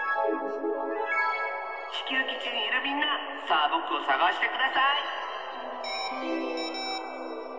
ちきゅうきちにいるみんなさあぼくをさがしてください！